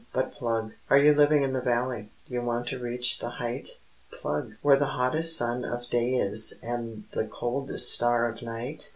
But plug. Are you living in the valley? Do you want to reach the height? Plug! Where the hottest sun of day is and the coldest stars of night?